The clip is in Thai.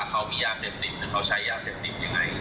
เขามียาเซ็นดิมหรือเขาใช้ยาเซ็นดิมยังไง